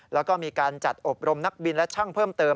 แล้วก็มีการจัดอบรมนักบินและช่างเพิ่มเติม